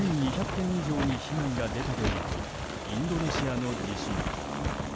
２２００軒以上に被害が出たというインドネシアの地震。